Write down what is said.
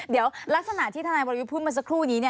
เดี๋ยวลักษณะที่ทนายวรยุทธ์พูดมาสักครู่นี้